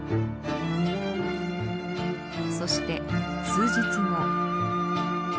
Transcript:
そして数日後。